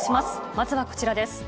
まずはこちらです。